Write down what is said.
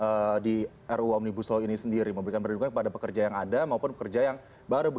pemerintah di ru omnibus law ini sendiri memberikan perlindungan kepada pekerja yang ada maupun pekerja yang baru